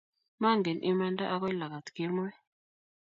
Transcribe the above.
Maangen imanda agoi lagat kemoi